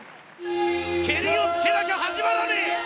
ケリをつけなきゃ始まらねえ！